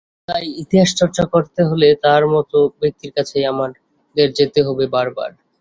তাই ইতিহাসচর্চা করতে হলে তাঁর মতো ব্যক্তির কাছেই আমাদের যেতে হবে বারবার।